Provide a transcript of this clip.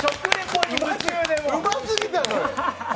うますぎたのよ。